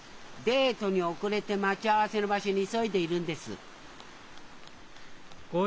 デートに遅れて待ち合わせの場所に急いでいるんです純！